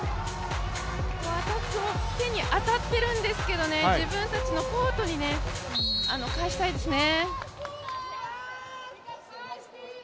アタックも手に当たっているんですけれども、自分たちのコートに返したいですね。